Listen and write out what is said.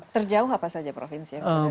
terjauh apa saja provinsi yang sudah